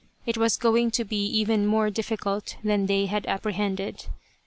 It was going to be even more difficult than they had apprehended.